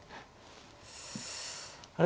あれ？